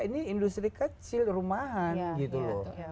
ini industri kecil rumahan gitu loh